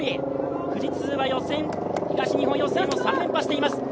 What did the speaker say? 富士通は東日本予選を３連覇しています。